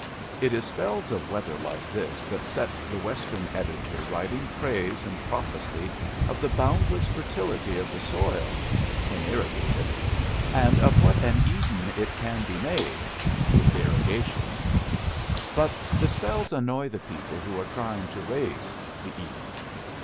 It is spells of weather like this that set the Western editor writing praise and prophecy of the boundless fertility of the soil when irrigated, and of what an Eden it can be made with irrigation; but the spells annoy the people who are trying to raise the Eden.